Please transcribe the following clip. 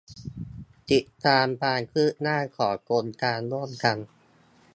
ติดตามความคืบหน้าของโครงการร่วมกัน